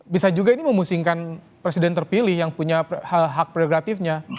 bisa juga ini memusingkan presiden terpilih yang punya hak prerogatifnya